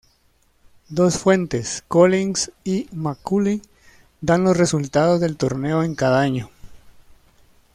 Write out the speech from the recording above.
Dos fuentes, Collins y McCauley, dan los resultados del torneo en cada año.